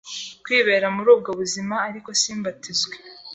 kwibera muri ubwo buzima ariko simbatizwe